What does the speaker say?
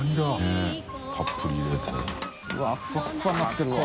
うわっふわっふわになってるわ。